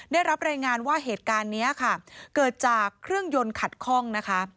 ได้รับรายงานว่าเหตุการณ์นี้ค่ะเกิดจากเครื่องยนต์ขัดคล่องนะคะ